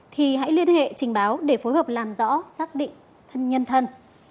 thì hãy liên hệ trình báo để phối hợp làm rõ xác định thân nhân thân